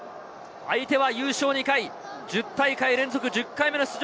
相手は優勝２回、１０大会連続１０回目の出場